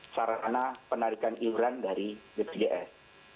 sarana penarikan iuran dari bpjs